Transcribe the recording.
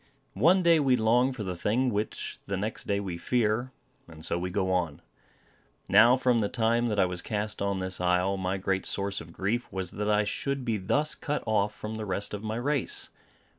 One day we long for the thing which the next day we fear; and so we go on. Now, from the time that I was cast on this isle, my great source of grief was that I should be thus cut off from the rest of my race.